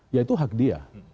yaitu hak dia